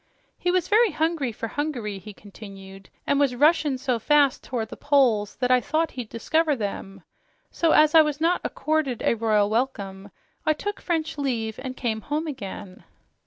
"He was very hungry for Hungary," he continued, "and was Russian so fast toward the Poles that I thought he'd discover them. So as I was not accorded a royal welcome, I took French leave and came home again."